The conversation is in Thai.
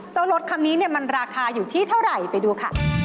เจ้ารถครั้งนี้มันราคาอยู่ที่เท่าไหร่ไปดูค่ะ